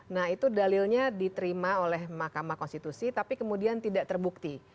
nah itu dalilnya diterima oleh mahkamah konstitusi tapi kemudian tidak terbukti